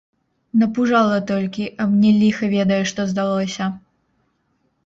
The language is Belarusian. Напужала толькі, а мне ліха ведае што здалося.